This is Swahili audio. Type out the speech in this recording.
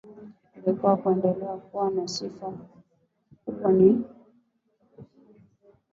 ili kuendelea kuwa na sifa kwamba ni matajiri